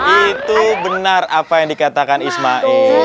itu benar apa yang dikatakan ismail